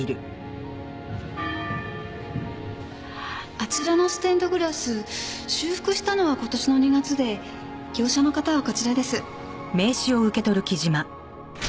あちらのステンドグラス修復したのは今年の２月で業者の方はこちらです。